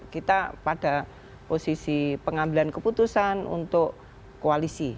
kita pada posisi pengambilan keputusan untuk koalisi